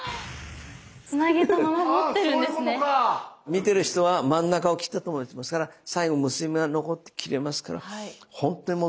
見てる人は真ん中を切ったと思ってますから最後結び目が残って切れますから本当に戻ったように見えます。